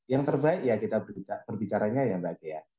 yang terbaik ya kita berbicara perbicaranya yang baik ya